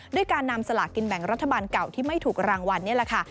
ด้วยการนำสลากกินแบ่งรัฐบาลเก่าที่ไม่ถูกรางวัลนี่แหละค่ะ